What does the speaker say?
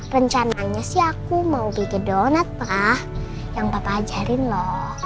rencananya sih aku mau bikin donat pra yang papa ajarin loh